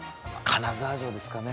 金沢城ですかね。